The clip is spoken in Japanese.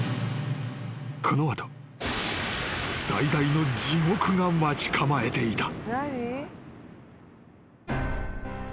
［この後最大の地獄が待ち構えていた］